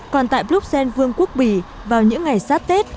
còn tại bruxelles vương quốc bỉ vào những ngày sát tết